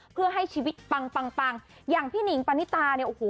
เพื่อให้ชีวิตปังปังปังอย่างพี่หนิงปานิตาเนี่ยโอ้โห